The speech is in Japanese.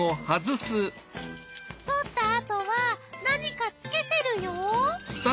取ったあとは何かつけてるよ。